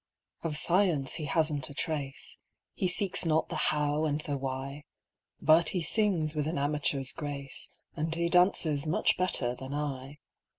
Of Science he hasn't a trace, He seeks not the How and the Why, But he sings with an amateur's grace. And he dances much better than I.